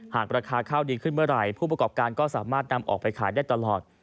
หากราคาข้าวดีขึ้นเมื่อไหร่ผู้ประกอบการก็สามารถนำออกไปขายได้ตลอด